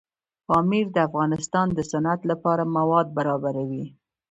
پامیر د افغانستان د صنعت لپاره مواد برابروي.